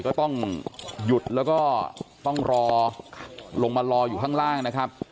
ก็ต้องหยุดแล้วก็ต้องรอลงมารออยู่ข้างล่างนะครับ